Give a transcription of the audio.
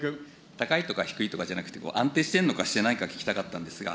高いとか低いとかじゃなくて、安定してるのかしてないのか聞きたかったんですが。